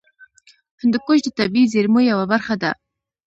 هندوکش د طبیعي زیرمو یوه برخه ده.